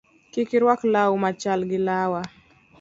Kik iruak law machal gi lawa